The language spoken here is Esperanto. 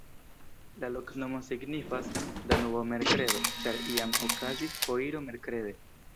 La loknomo signifas: Danubo-merkredo, ĉar iam okazis foiro merkrede.